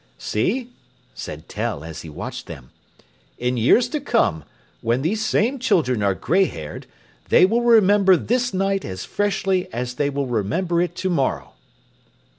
"See," said Tell, as he watched them, "in years to come, when these same children are gray haired, they will remember this night as freshly as they will remember it to morrow."